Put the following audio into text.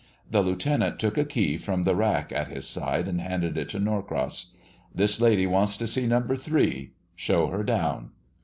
The lieutenant took a key from the rack at his side and handed it to Norcross. "This lady wants to see No. 3. Show her down."